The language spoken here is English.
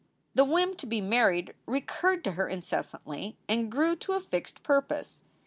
The whim to be married recurred to her incessantly and grew to a fixed purpose.